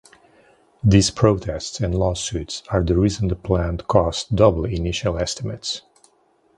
These protests and lawsuits are the reason the plant cost double initial estimates.